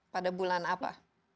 pada bulan apa